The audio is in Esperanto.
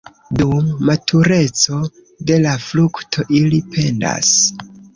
Dum matureco de la frukto ili pendas.